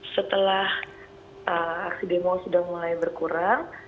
setelah aksi demo sudah mulai berkurang